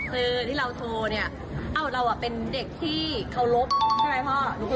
คือที่เราโทรเนี่ยเอ้าเราเป็นเด็กที่เคารพใช่ไหมพ่อ